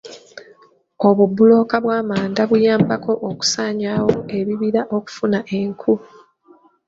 Obubulooka bw'amanda buyambako okusaanyaawo ebibira okufuna enku.